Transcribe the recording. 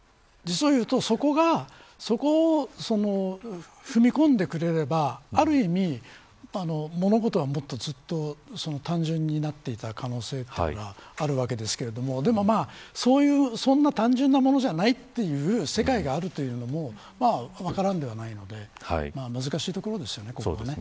実をいうと、そこがそこを踏み込んでくれればある意味物事はもっとずっと単純になっていた可能性があるわけですけどそんな単純なものではないという世界があるというのも分からんではないので難しいところですよね。